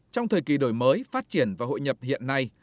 trong thời kỳ đổi mới phát triển và hội nhập hiện nay